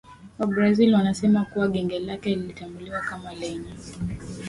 wa Brazil wanasema kuwa genge lake lilitambuliwa kama lenye